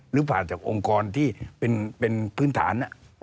หรือผ่านจากองค์กรที่เป็นพื้นฐาน